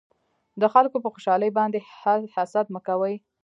د خلکو په خوشحالۍ باندې حسد مکوئ